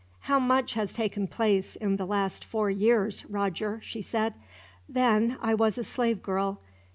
"How much has taken place, in the last four years, Roger!" she said. "Then, I was a slave girl.